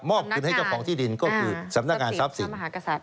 มอบคืนให้เจ้าของที่ดินก็คือสำนักงานทรัพย์สินทร์